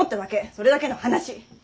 それだけの話。